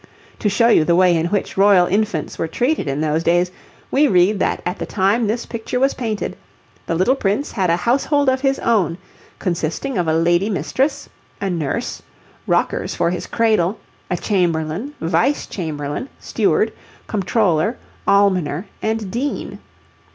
To show you the way in which royal infants were treated in those days, we read that at the time this picture was painted, the little prince had a household of his own, consisting of a lady mistress, a nurse, rockers for his cradle, a chamberlain, vice chamberlain, steward, comptroller, almoner, and dean.